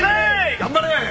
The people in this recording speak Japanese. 頑張れ！